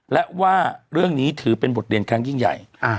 และว่าเรื่องนี้ถือเป็นบทเรียนครั้งยิ่งใหญ่